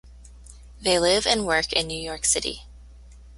They live and work in New York City.